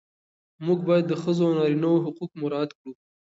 موږ باید د ښځو او نارینه وو حقوق مراعات کړو.